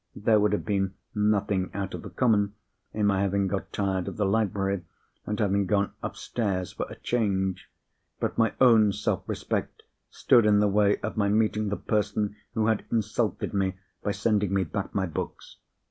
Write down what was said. There would have been nothing out of the common in my having got tired of the library, and having gone upstairs for a change. But my own self respect stood in the way of my meeting the person who had insulted me by sending me back my books.